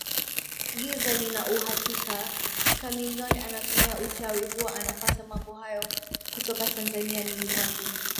giza Nina uhakika Chameleone anatumia uchawi huwa anapata mambo hayo kutoka Tanzania niliwahi